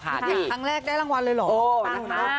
นี่ครั้งแรกได้รางวัลเลยเหรอ